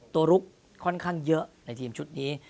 ลุกค่อนข้างเยอะในทีมชุดนี้